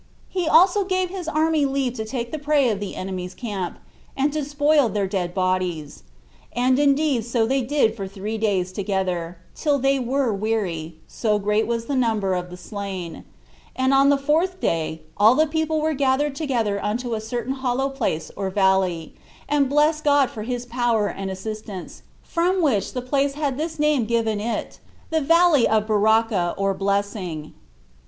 He also gave his army leave to take the prey of the enemy's camp, and to spoil their dead bodies; and indeed so they did for three days together, till they were weary, so great was the number of the slain; and on the fourth day, all the people were gathered together unto a certain hollow place or valley, and blessed God for his power and assistance, from which the place had this name given it, the Valley of [Berachah, or] Blessing.